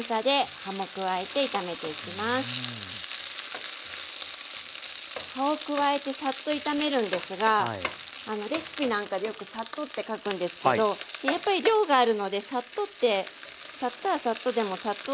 葉を加えてサッと炒めるんですがレシピなんかでよく「サッと」って書くんですけどやっぱり量があるので「サッと」って「サッと」は「サッと」でも「サッと」でもないというか。